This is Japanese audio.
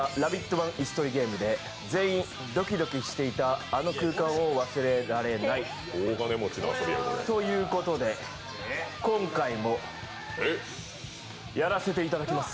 版「椅子取りゲーム」で全員、ドキドキしていた、あの空間を忘れられない。ということで今回もやらせていただきます！